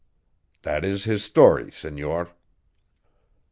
That is his story, senor."